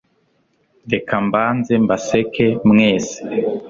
reka mbanze mbaseke mwese